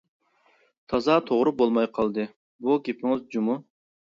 تازا توغرا بولماي قالدى بۇ گېپىڭىز جۇمۇ!